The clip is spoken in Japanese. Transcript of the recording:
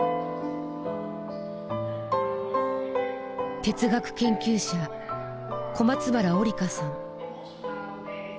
哲学研究者小松原織香さん。